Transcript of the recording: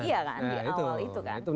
iya kan di awal itu kan